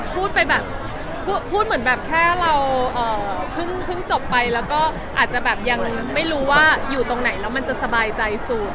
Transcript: พูดไปแบบพูดเหมือนแบบแค่เราเพิ่งจบไปแล้วก็อาจจะแบบยังไม่รู้ว่าอยู่ตรงไหนแล้วมันจะสบายใจสุด